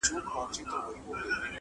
ویل وایه د عمرونو جادوګره!.